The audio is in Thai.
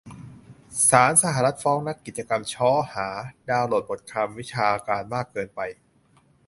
ศาลสหรัฐฟ้องนักกิจกรรมช้อหา "ดาวน์โหลดบทความวิชาการมากเกินไป"